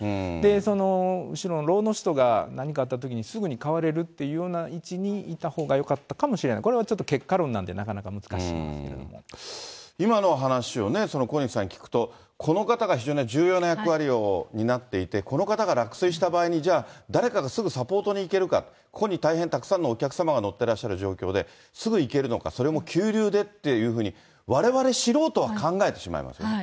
その後ろのろの人が何かあったときにすぐに代われるっていうような位置にいたほうがよかったかもしれない、これはちょっと結果論今の話をね、小西さん、聞くと、この方が非常に重要な役割を担っていて、この方が落水した場合に、じゃあ、誰かがすぐサポートに行けるか、ここに大変たくさんのお客様が乗ってらっしゃる状況で、すぐ行けるのか、それも急流でっていうふうに、われわれ素人は考えてしまいますよね。